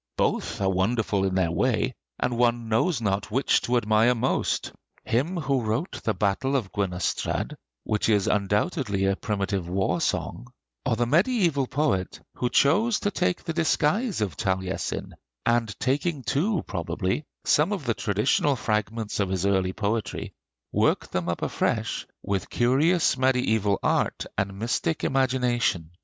Both are wonderful in their way, and one knows not which to admire most him who wrote the 'Battle of Gwenystrad,' which is undoubtedly a primitive war song, or the mediæval poet who chose to take the disguise of Taliesin, and taking too, probably, some of the traditional fragments of his early poetry, worked them up afresh with curious mediæval art and mystic imagination.